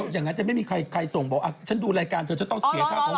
อย่างนั้นจะไม่มีใครส่งบอกฉันดูรายการเธอจะต้องเสียค่าของ